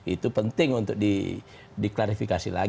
itu penting untuk diklarifikasi lagi